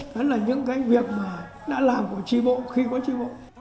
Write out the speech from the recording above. đó là những cái việc mà đã làm của tri bộ khi có tri bộ